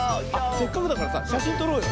せっかくだからさしゃしんとろうよ。